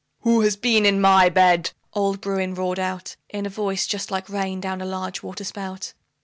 "WHO HAS BEEN UPON MY BED?" old Bruin roared out, In a voice just like rain down a large water spout.